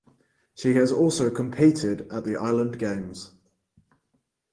She has also competed at the Island Games.